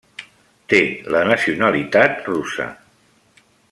Té la nacionalitat russa.